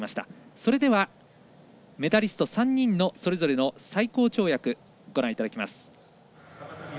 それでは、メダリスト３人のそれぞれの最高跳躍ご覧いただきます。